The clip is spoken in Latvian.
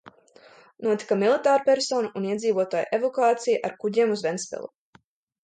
Notika militārpersonu un iedzīvotāju evakuācija ar kuģiem uz Ventspili.